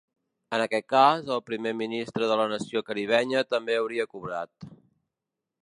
En aquest cas, el primer ministre de la nació caribenya també hauria cobrat.